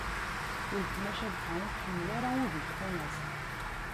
Ultma Cabḥa ur tḥemmel ara udi n tfunast.